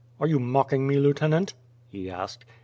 "Are you mocking me, Lieutenant?" he asked.